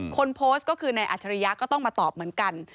คนโพสต์ก็คือนายอัจฉริยะก็ต้องมาตอบเหมือนกัน